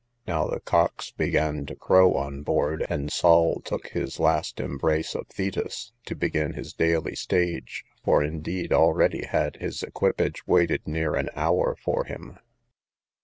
Now the cocks began to crow on board, and Sol took his last embrace of Thetis, to begin his daily stage; for, indeed, already had his equipage waited near an hour for him.